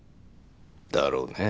だろうね。